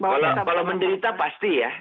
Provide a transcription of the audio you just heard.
kalau menderita pasti ya